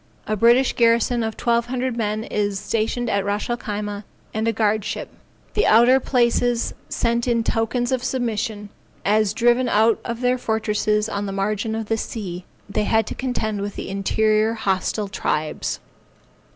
A British garrison of twelve hundred men was stationed at Ras el Khyma, and a guard ship. The other places sent in tokens of submission, as driven out of their fortresses on the margin of the sea, they had to contend within with the interior hostile tribes.